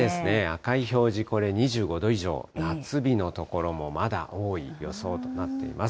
赤い表示、これ２５度以上、夏日の所もまだ多い予想となっています。